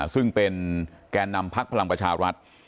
ซึ่งเป็นแก่นำพักพลังประชารัฐ